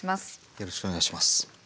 よろしくお願いします。